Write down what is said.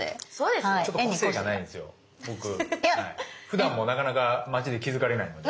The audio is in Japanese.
ふだんもなかなか街で気付かれないので。